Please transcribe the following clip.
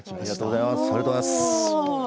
ありがとうございます。